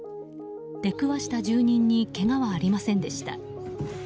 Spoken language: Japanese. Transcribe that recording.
出くわした住民にけがはありませんでした。